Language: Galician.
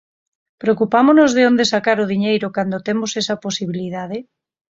Preocupámonos de onde sacar o diñeiro cando temos esa posibilidade?